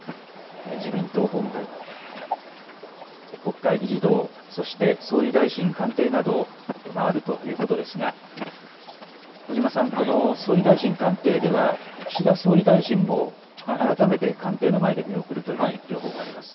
自民党本部、国会議事堂、そして総理大臣官邸などを回るということですが小嶋さん、総理大臣官邸では岸田総理大臣も改めて官邸の前で見送るという情報があります。